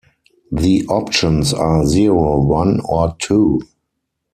The options are zero, one, or two.